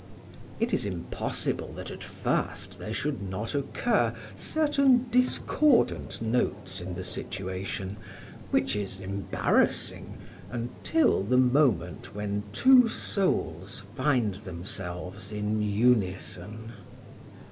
It is impossible that at first there should not occur certain discordant notes in the situation, which is embarrassing until the moment when two souls find themselves in unison.